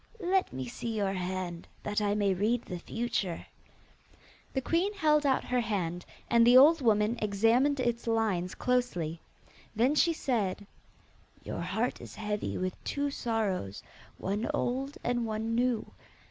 'Let me see your hand, that I may read the future.' The queen held out her hand, and the old woman examined its lines closely. Then she said, 'Your heart is heavy with two sorrows, one old and one new.